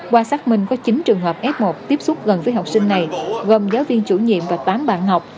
qua xác minh có chín trường hợp f một tiếp xúc gần với học sinh này gồm giáo viên chủ nhiệm và tám bạn học